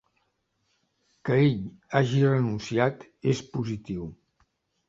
Que ell hagi renunciat és positiu.